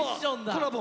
コラボ！